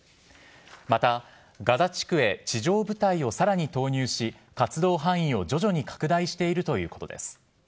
またガザ地区へ地上部隊をさらに投入し、活動範囲を徐々に拡大しているということです。